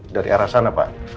dari arah sana pak